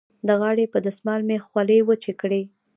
د غاړې په دستمال مې خولې وچې کړې.